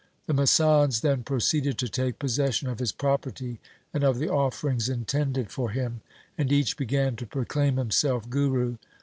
The masands then proceeded to take possession of his property and of the offerings intended for him ; and each began to proclaim himself guru.